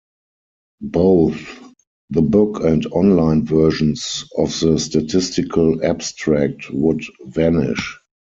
Both the book and online versions of the Statistical Abstract would vanish.